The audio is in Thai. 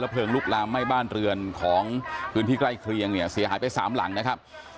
เพลิงลุกลามไหม้บ้านเรือนของพื้นที่ใกล้เคียงเนี่ยเสียหายไปสามหลังนะครับ